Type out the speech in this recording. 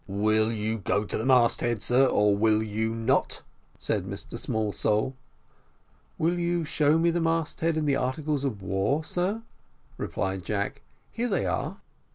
"Will you go to the mast head, sir, or will you not?" said Mr Smallsole. "Will you show me the mast head in the articles of war, sir," replied Jack; "here they are."